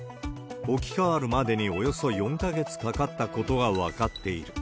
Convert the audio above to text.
置き換わるまでにおよそ４か月かかったことが分かっている。